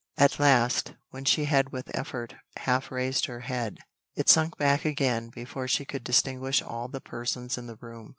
At last, when she had with effort half raised her head, it sunk back again before she could distinguish all the persons in the room.